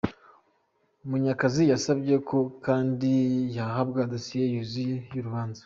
Munyakazi yasabye ko kandi yahabwa dosiye yuzuye y’urubanza.